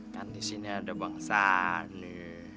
nanti sini ada bang sani